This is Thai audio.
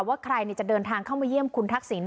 ว่าใครจะเดินทางเข้ามาเยี่ยมคุณทักษิณ